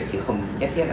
chứ không nhất thiết là